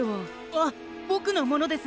あっぼくのものです！